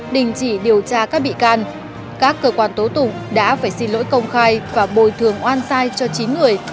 đình chỉ điều tra các bị can các cơ quan tố tụng đã phải xin lỗi công khai và bồi thường oan sai cho chín người